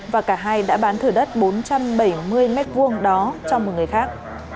và cả hai đã bán thửa đất bốn trăm bảy mươi m hai đó cho một người khác